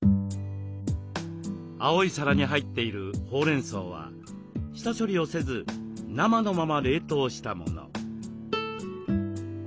青い皿に入っているほうれんそうは下処理をせず生のまま冷凍したもの。